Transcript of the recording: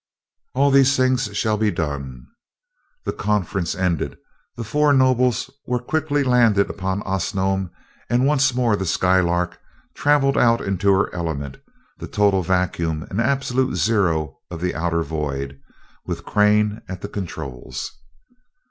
"All these things shall be done." The conference ended, the four nobles were quickly landed upon Osnome and once more the Skylark traveled out into her element, the total vacuum and absolute zero of the outer void, with Crane at the controls.